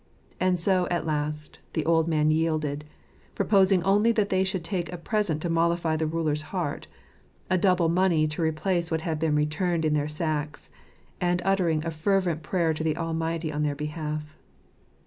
And so, at last, the old man yielded, proposing only that they should take a present to mollify the ruler's heart, a double money to replace what had been returned in their sacks, and uttering a fervent prayer to the Almighty on their behalf.